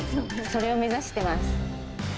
それを目指してます。